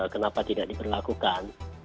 kenapa tidak diberlakukan